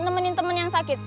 nemenin temen yang sakit